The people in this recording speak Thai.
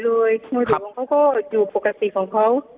มือถือของเขาก็อยู่ปกติของเขา